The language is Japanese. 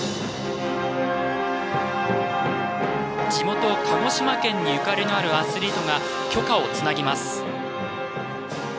地元・鹿児島県にゆかりのあるアスリートが炬火をつなぎます。